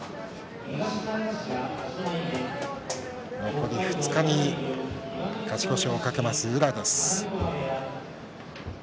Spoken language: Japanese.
残り２日に勝ち越しを懸けます宇良です。